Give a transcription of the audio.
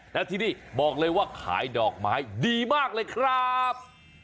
และที่นี่บอกเลยว่าขายดอกไม้ดีมากเลยครับ